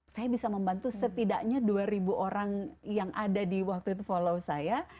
saya bisa membantu setidaknya dua orang yang ada di waktu itu follow saya